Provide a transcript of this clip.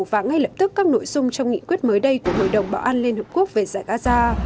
và ngay lập tức các nội dung trong nghị quyết mới đây của hội đồng bảo an liên hợp quốc về giải gaza